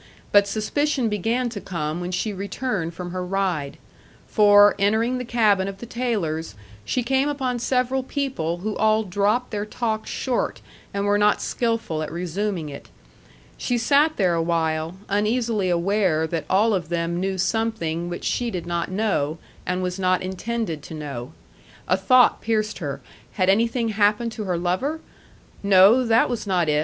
But suspicion began to come when she returned from her ride. For, entering the cabin of the Taylors', she came upon several people who all dropped their talk short, and were not skilful at resuming it. She sat there awhile, uneasily aware that all of them knew something which she did not know, and was not intended to know. A thought pierced her had anything happened to her lover? No; that was not it.